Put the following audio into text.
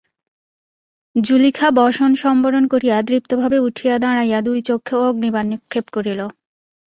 জুলিখা বসন সম্বরণ করিয়া দৃপ্তভাবে উঠিয়া দাঁড়াইয়া দুই চক্ষে অগ্নিবাণ নিক্ষেপ করিল।